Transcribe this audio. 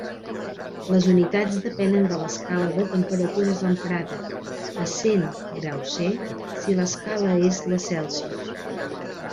Les unitats depenen de l'escala de temperatures emprada, essent °C si l'escala és la Celsius.